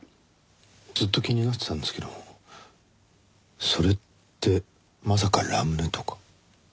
ずっと気になってたんですけどそれってまさかラムネとか？